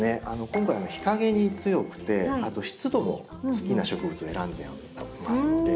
今回日陰に強くて湿度も好きな植物を選んでいますので。